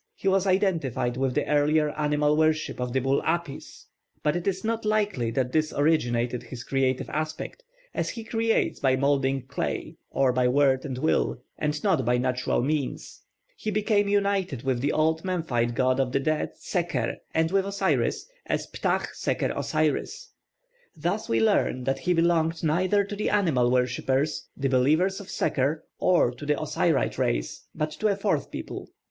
He was identified with the earlier animal worship of the bull Apis; but it is not likely that this originated his creative aspect, as he creates by moulding clay, or by word and will, and not by natural means. He became united with the old Memphite god of the dead, Seker, and with Osiris, as Ptah Seker Osiris. Thus we learn that he belonged neither to the animal worshippers, the believers in Seker, nor to the Osiride race, but to a fourth people.